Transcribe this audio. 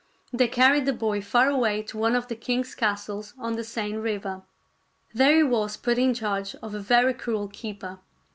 They carried the boy far away to one of the king's castles on the Seine River. There he was put in charge of a very cruel keeper.